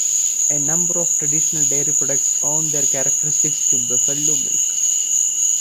A number of traditional dairy products owe their characteristics to buffalo milk.